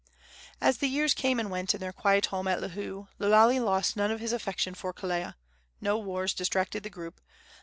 As the years came and went in their quiet home at Lihue, Lo Lale lost none of his affection for Kelea. No wars distracted the group.